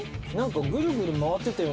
ぐるぐる回ってたようにしか。